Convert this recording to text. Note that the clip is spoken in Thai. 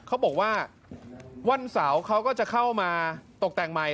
เขาบอกว่าวันเสาร์เขาก็จะเข้ามาตกแต่งใหม่